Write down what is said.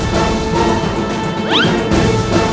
ดำรนดา